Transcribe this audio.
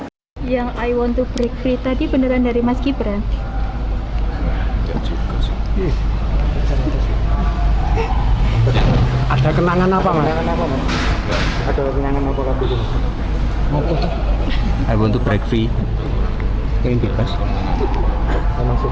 dhani mengatakan bahwa kehadiran penyelidikan akan menjadi konser yang seperti sirkus musik